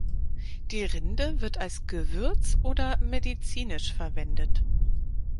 Die Rinde wird als Gewürz oder medizinisch verwendet.